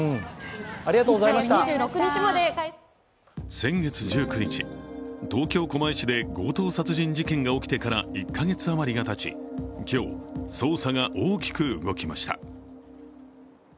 先月１９日、東京・狛江市で強盗殺人事件が起きてから１か月余りがたち、今日、捜査が大きく動きました。